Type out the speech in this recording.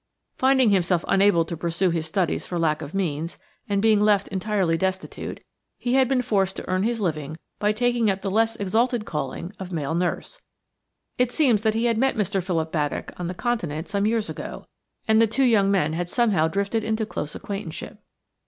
Finding himself unable to pursue his studies for lack of means, and being left entirely destitute, he had been forced to earn his living by taking up the less exalted calling of male nurse. It seems that he had met Mr. Philip Baddock on the Continent some years ago, and the two young men had somehow drifted into close acquaintanceship.